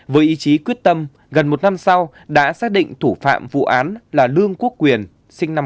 với ý chí quyết tâm gần một năm sau đã xác định thủ phạm vụ án là lương quốc quyền sinh năm hai nghìn